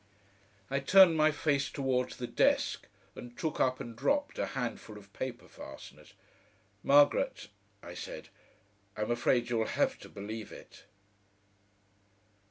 I turned my face towards the desk, and took up and dropped a handful of paper fasteners. "Margaret," I said, "I'm afraid you'll have to believe it."